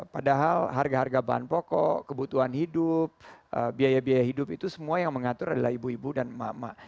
padahal harga harga bahan pokok kebutuhan hidup biaya biaya hidup itu semua yang mengatur adalah ibu ibu dan emak emak